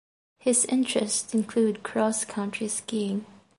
His interests include cross-country skiing.